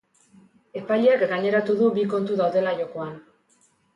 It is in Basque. Epaileak gaineratu du bi kontu daudela jokoan.